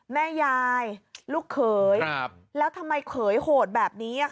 แม่ยายลูกเขยแล้วทำไมเขยโหดแบบนี้